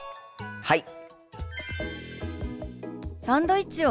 はい！